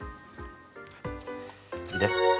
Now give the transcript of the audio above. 次です。